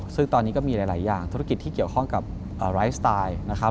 ซึ่งตอนนี้ก็มีหลายอย่างธุรกิจที่เกี่ยวข้องกับไลฟ์สไตล์นะครับ